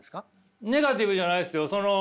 ネガティブじゃないですよ。